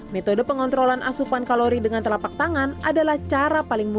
metode pengontrolan asupan kalori dengan telapak tangan adalah cara paling mudah